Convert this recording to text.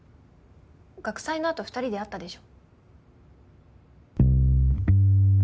学祭の後２人で会ったでしょ？